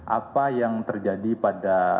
apa yang terjadi pada